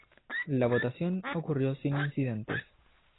La votación ocurrió sin incidentes.